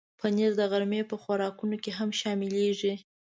پنېر د غرمې په خوراکونو کې هم شاملېږي.